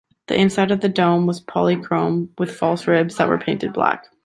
The inside of the dome was polychrome, with false ribs that were painted black.